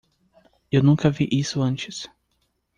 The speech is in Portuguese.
Eu nunca vi isso antes.